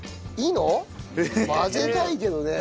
混ぜたいけどね。